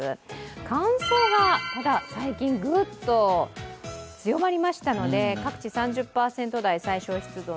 乾燥が最近ぐっと強まりましたので各地、３０％台、最小湿度。